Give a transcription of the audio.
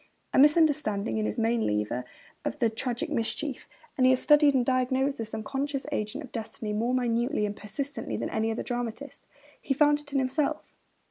A misunderstanding is his main lever of the tragic mischief; and he has studied and diagnosed this unconscious agent of destiny more minutely and persistently than any other dramatist. He found it in himself.